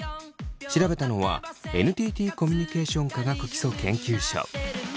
調べたのはＮＴＴコミュニケーション科学基礎研究所。